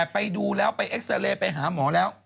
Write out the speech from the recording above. ไปดูแล้วไปเอ็กซาเรย์ไปหาหมอแล้ว